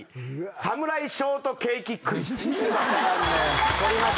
「侍ショートケーキクイズ」取りました。